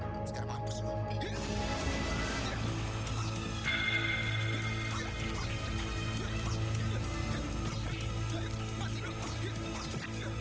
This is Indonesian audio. ayu sampai sekarang telah tinggal